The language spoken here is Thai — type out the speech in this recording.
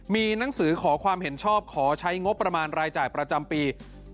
มีหนังสือขอความเห็นชอบขอใช้งบประมาณรายจ่ายประจำปี